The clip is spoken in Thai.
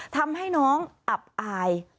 ทำให้น้องอับอาย